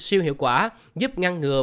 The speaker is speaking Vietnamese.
siêu hiệu quả giúp ngăn ngừa